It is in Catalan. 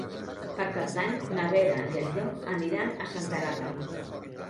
Per Cap d'Any na Vera i en Llop aniran a Senterada.